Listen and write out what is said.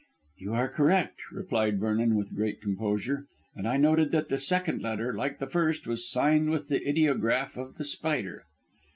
"You are correct," replied Vernon with great composure, "and I noted that the second letter, like the first, was signed with the ideograph of The Spider."